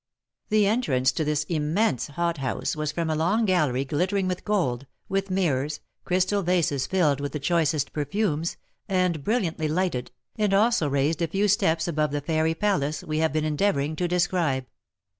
The entrance to this immense hothouse was from a long gallery glittering with gold, with mirrors, crystal vases filled with the choicest perfumes, and brilliantly lighted, and also raised a few steps above the fairy palace we have been endeavouring to describe.